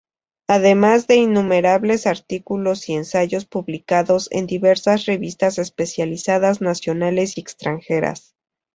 Además de innumerables artículos y ensayos publicados en diversas revistas especializadas nacionales y extranjeras.